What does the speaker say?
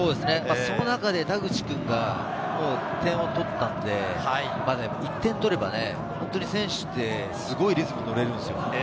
その中で田口君が点を取ったので、１点取れば選手って、すごいリズムにのれるんですよ。